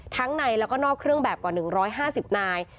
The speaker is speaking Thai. ในแล้วก็นอกเครื่องแบบกว่า๑๕๐นาย